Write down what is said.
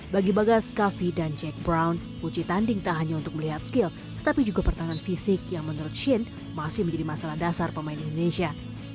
bagi bagas kavi dan jack brown uji tanding tak hanya untuk melihat skill tetapi juga pertahanan fisik yang menurut shin masih menjadi masalah dasar pemain indonesia